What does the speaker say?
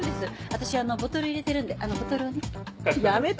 私あのボトル入れてるんであのボトルをね。